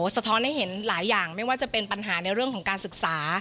สะท้อนให้เห็นหลายอย่างไม่ว่าจะเป็นปัญหาในเรื่องของการศึกษา